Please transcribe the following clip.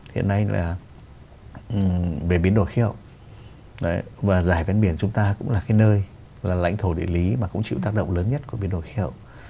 hiện nay là về biến đổi khí hậu và giải vé biển chúng ta cũng là cái nơi là lãnh thổ địa lý mà cũng chịu tác động lớn nhất của biến đổi khí hậu